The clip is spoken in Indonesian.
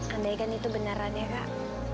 andai kan itu beneran ya kak